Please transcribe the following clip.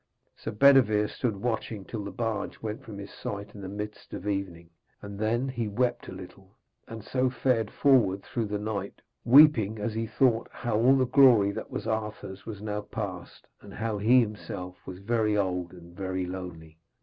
Sir Bedevere stood watching till the barge went from his sight in the mists of evening, and then he wept a little, and so fared forward through the night, weeping as he thought how all the glory that was Arthur's was now past, and how he himself was very old and very lonely.